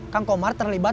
kang komar terlibat